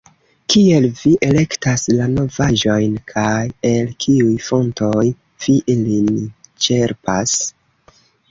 Kiel vi elektas la novaĵojn, kaj el kiuj fontoj vi ilin ĉerpas?